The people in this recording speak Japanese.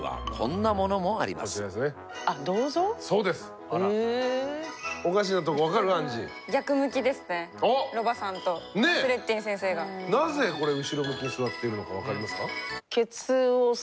なぜこれ後ろ向きに座ってるのか分かりますか？